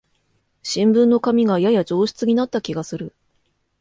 新聞の紙がやや上質になった気がする